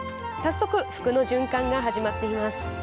早速、服の循環が始まっています。